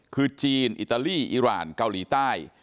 คือจีนอิตาลีอิราณเกาหลีใต้